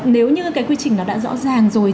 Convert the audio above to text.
nếu như cái quy trình nó đã rõ ràng rồi